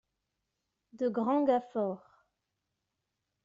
De grands gars forts.